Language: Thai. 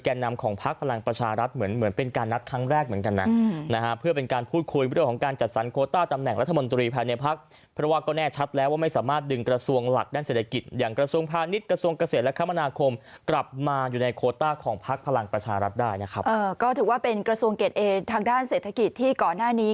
เอ่อก็ถือว่าเป็นกระทรวงเกร็ดเอทางด้านเศรษฐกิจที่ก่อนหน้านี้